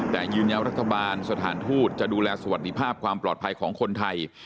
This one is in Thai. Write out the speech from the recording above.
แต่ยืนยันว่ารัฐบาลสถานทูตจะดูแลสวัสดีภาพความปลอดภัยของคนไทย